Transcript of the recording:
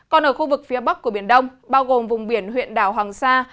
còn ở khu vực phía bắc của biển đông bao gồm vùng biển huyện đảo hoàng sa